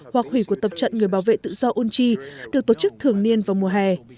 hoặc hủy cuộc tập trận người bảo vệ tự do unchi được tổ chức thường niên vào mùa hè